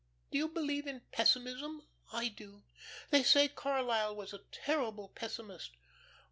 '" "Do you believe in pessimism? I do. They say Carlyle was a terrible pessimist."